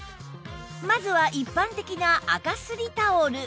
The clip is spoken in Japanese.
まずは一般的な垢すりタオル